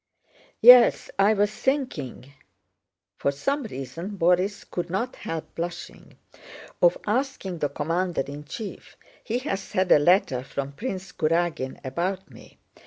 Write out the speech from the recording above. "Yes, I was thinking"—for some reason Borís could not help blushing—"of asking the commander in chief. He has had a letter from Prince Kurágin about me.